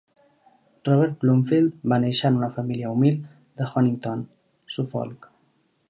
Robert Bloomfield va néixer en una família humil de Honington, Suffolk.